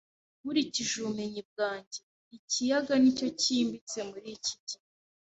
Nkurikije ubumenyi bwanjye, ikiyaga nicyo cyimbitse muri iki gihe